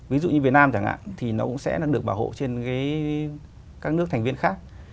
ví dụ như việt nam chẳng hạn thì nó cũng sẽ được bảo hộ trên các nước thành viên khác